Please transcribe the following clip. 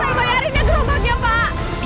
saya bayarin ya kerototnya pak pak pak pak